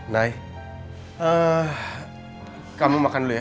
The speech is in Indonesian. nay kamu makan dulu ya